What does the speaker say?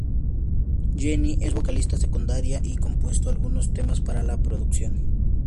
Jenny es vocalista secundaria y compuso algunos temas para la producción.